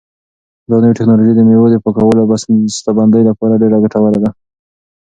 دا نوې ټیکنالوژي د مېوو د پاکولو او بسته بندۍ لپاره ډېره ګټوره ده.